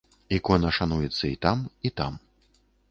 Ікона шануецца і там, і там.